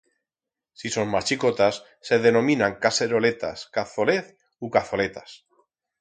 Si son mas chicotas, se denominan caseroletas, cazolez u cazoletas.